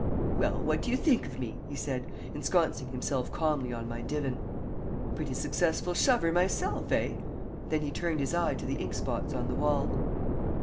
"Well, what do you think of me?" he said, ensconcing himself calmly on my divan. "Pretty successful shover myself, eh?" Then he turned his eye to the inkspots on the wall.